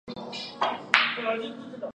给我一对翅膀